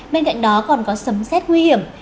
bên cạnh đó còn có sấm xét nguy hiểm